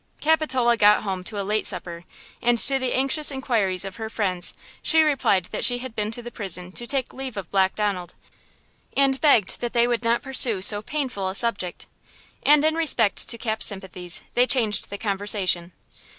Capitola got home to a late supper and to the anxious inquiries of her friends she replied that she had been to the prison to take leave of Black Donald, and begged that they would not pursue so painful a subject. And, in respect to Cap's sympathies, they changed the conversation.